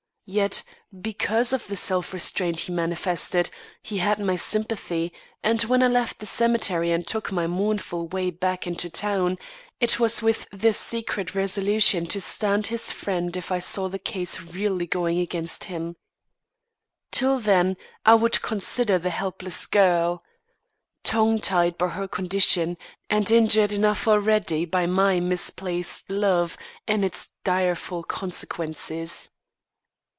Yet, because of the self restraint he manifested, he had my sympathy and when I left the cemetery and took my mournful way back into town, it was with the secret resolution to stand his friend if I saw the case really going against him. Till then, I would consider the helpless girl, tongue tied by her condition, and injured enough already by my misplaced love and its direful consequences.